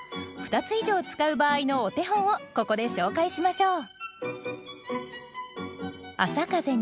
２つ以上使う場合のお手本をここで紹介しましょう。